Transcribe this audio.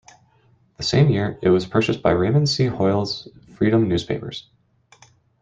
The same year, it was purchased by Raymond C. Hoiles's Freedom Newspapers.